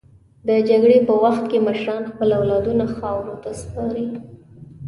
د جګړې په وخت کې مشران خپل اولادونه خاورو ته سپاري.